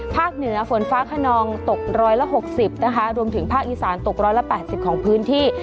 เหนือฝนฟ้าขนองตก๑๖๐นะคะรวมถึงภาคอีสานตก๑๘๐ของพื้นที่